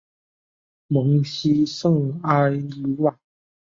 蒙希圣埃卢瓦。